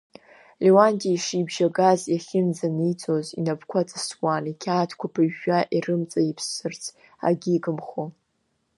Леуанти, ишиабжьагаз иахьынӡаниҵоз, инапқәа ҵысуан, иқьаадқәа ԥыжәжәа ирымҵаиԥсарц агьигымхо.